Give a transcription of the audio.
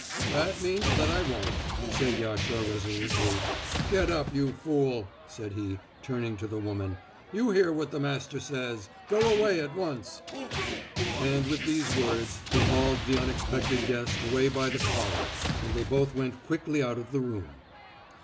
"That means that I won't," said Yasha resolutely. "Get up, you fool," said he, turning to the woman. "You hear what the master says. Go away at once." And with these words he hauled the unexpected guest away by the collar, and they both went quickly out of the room.